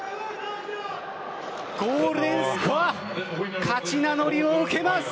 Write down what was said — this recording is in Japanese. ゴールデンスコア勝ち名乗りを受けます。